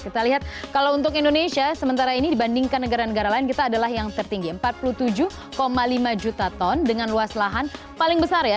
kita lihat kalau untuk indonesia sementara ini dibandingkan negara negara lain kita adalah yang tertinggi empat puluh tujuh lima juta ton dengan luas lahan paling besar ya